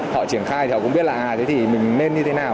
họ triển khai thì họ cũng biết là ai thế thì mình nên như thế nào